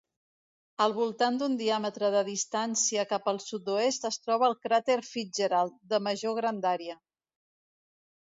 Al voltant d'un diàmetre de distància cap al sud-oest es troba el cràter Fitzgerald, de major grandària.